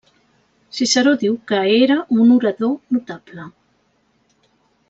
Ciceró diu que era un orador notable.